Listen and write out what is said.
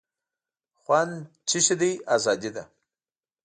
خوند څه شی دی آزادي ده.